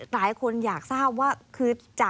ทีมข่าวไทยรัฐทีวีก็ติดต่อสอบถามไปที่ผู้บาดเจ็บนะคะ